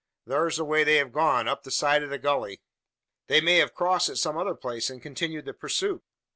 Thur's the way they hev gone up the side o' the gully!" "They may have crossed at some other place, and continued the pursuit?"